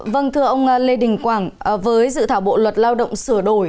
vâng thưa ông lê đình quảng với dự thảo bộ luật lao động sửa đổi